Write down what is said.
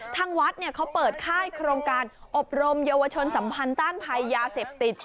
ทางวัดเขาเปิดค่ายโครงการอบรมเยาวชนสัมพันธ์ต้านภัยยาเสพติด